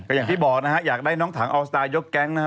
อย่างที่บอกนะฮะอยากได้น้องถังเอาสไตล์ยกแก๊งนะฮะ